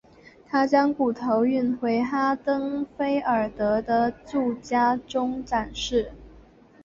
他将骨头运回哈登菲尔德的住家中展示。